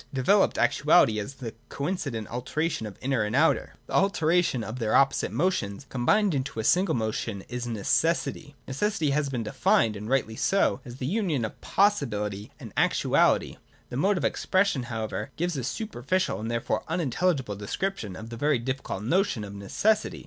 Developed actuality, as the coincident alternation of inner and outer, the alternation of their opposite motions combined into a single motion, is Necessity. Necessity has been defined, and rightly so, as the union of possibility and actuality. This mode of ex pression, however, gives a superficial and therefore unintelligible description of the very difficult notion of necessity.